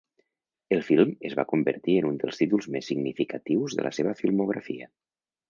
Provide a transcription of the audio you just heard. El film es va convertir en un dels títols més significatius de la seva filmografia.